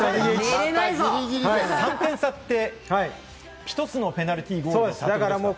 ３点差って１つのペナルティーゴールの差。